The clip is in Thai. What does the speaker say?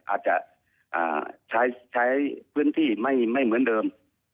อาจจะใช้พื้นที่ไม่เหมือนเดิม